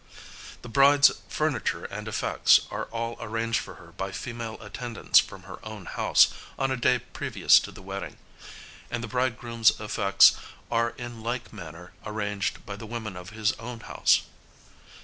The bride's furniture and effects are all arranged for her by female attendants from her own house on a day previous to the wedding; and the bridegroom's effects are in like manner arranged by the women of his own house.